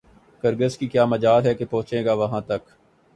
کرگس کی کیا مجال کہ پہنچے گا وہاں تک